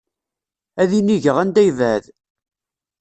Ad inigeɣ anda yebɛed.